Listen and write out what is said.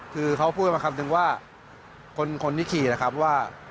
คือเขาพูดมาคำนึงว่าคนที่ขี่นะครับว่า